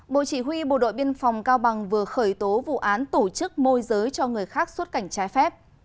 bộ chỉ huy bộ đội biên phòng cao bằng vừa khởi tố vụ án tổ chức môi giới cho người khác xuất cảnh trái phép